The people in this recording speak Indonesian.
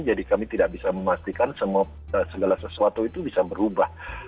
jadi kami tidak bisa memastikan segala sesuatu itu bisa berubah